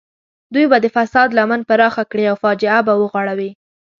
دوی به د فساد لمن پراخه کړي او فاجعه به وغوړوي.